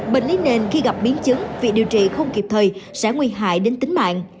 bệnh lý nền khi gặp biến chứng việc điều trị không kịp thời sẽ nguy hại đến tính mạng